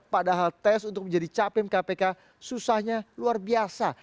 padahal tes untuk menjadi capim kpk susahnya luar biasa